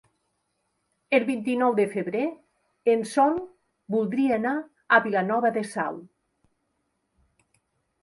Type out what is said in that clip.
El vint-i-nou de febrer en Sol voldria anar a Vilanova de Sau.